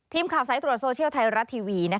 ทีมข่าวสายตรวจโซเชียลไทยรัตน์ทีวี